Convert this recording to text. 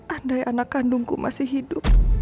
andai anak kandungku masih hidup